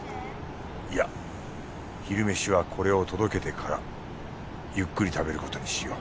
いや昼飯はこれを届けてからゆっくり食べることにしよう